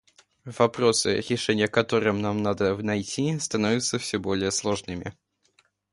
Вопросы, решения которым нам надо найти, становятся все более сложными.